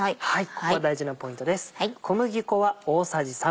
ここが大事なポイントです。